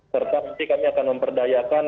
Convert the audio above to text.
serta nanti kami akan memperdayakan